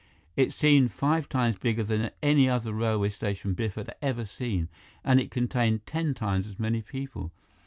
It seemed five times bigger than any other railway station Biff had ever seen, and it contained ten times as many people.